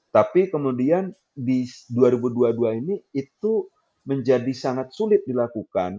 tapi kemudian di dua ribu dua puluh dua ini itu menjadi sangat sulit dilakukan